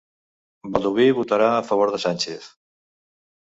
Baldoví votarà a favor de Sánchez